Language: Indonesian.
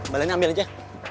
balikin ambil aja